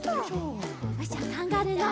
よしじゃあカンガルーの。